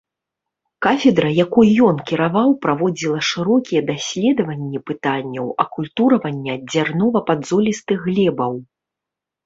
Кафедра, якой ён кіраваў, праводзіла шырокія даследаванні пытанняў акультурвання дзярнова-падзолістых глебаў.